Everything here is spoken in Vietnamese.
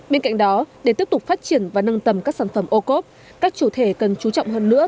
bên cạnh đó để tiếp tục phát triển và nâng tầm các sản phẩm ô cốp các chủ thể cần chú trọng hơn nữa